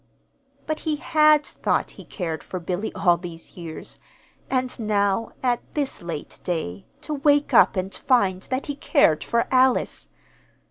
But he had thought he cared for Billy all these years; and now, at this late day, to wake up and find that he cared for Alice!